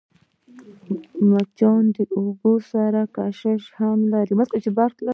مچان د اوبو سره هم کشش لري